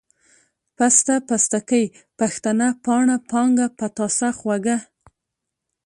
پسته ، پستکۍ ، پښتنه ، پاڼه ، پانگه ، پتاسه، خوږه،